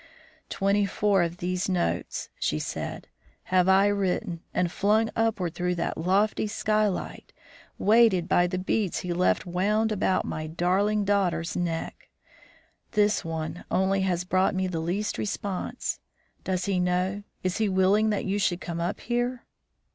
"Twenty four of these notes," said she; "have I written, and flung upward through that lofty skylight, weighted by the beads he left wound about my darling daughter's neck. This one only has brought me the least response. Does he know? Is he willing that you should come up here?"